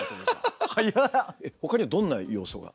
ほかにはどんな要素が？